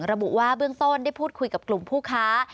ระบุว่าเบื้องต้นได้พูดคุยกับกลุ่มผู้ค้า